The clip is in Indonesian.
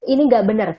ini gak benar